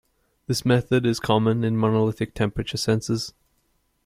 This method is common in monolithic temperature sensors.